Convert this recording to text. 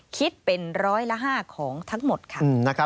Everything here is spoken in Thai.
คิดเป็นร้อยละ๕ของทั้งหมดค่ะ